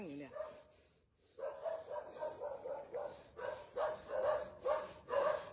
อย่าด้วย